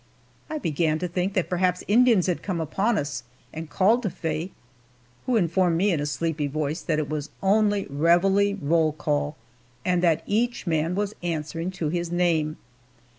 I began to think that perhaps Indians had come upon us, and called to Faye, who informed me in a sleepy voice that it was only reveille roll call, and that each man was answering to his name.